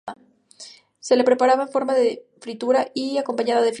Se la preparaba en forma de fritada y acompañada de arroz.